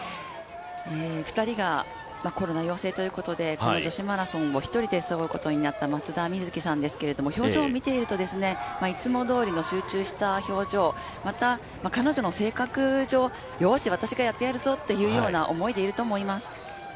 ２人がコロナ陽性ということでこの女子マラソンを１人で背負うことになった、松田瑞生さんですけど表情を見ているといつもどおりの集中した表情また、彼女の性格上よーし、私がやってやるぞという思いでいると思います。